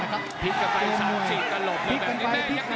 พลิกกับไฟสายสีกระหลบพลิกกันไปพลิกกันไป